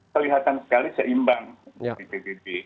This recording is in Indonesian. kelihatan sekali seimbang di pbb